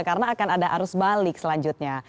karena akan ada arus balik selanjutnya